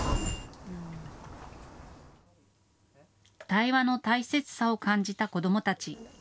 対話の大切さを感じた子どもたち。